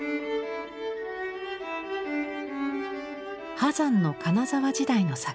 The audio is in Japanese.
波山の金沢時代の作品。